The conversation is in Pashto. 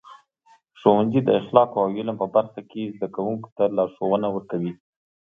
ښوونځي د اخلاقو او علم په برخه کې زده کوونکو ته لارښونه ورکوي.